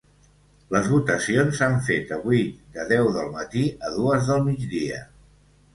Les votacions s’han fet avui de deu del matí a dues del migdia.